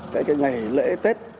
cái ngày lễ tết